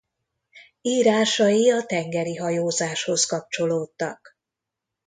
Írásai a tengeri hajózáshoz kapcsolódtak.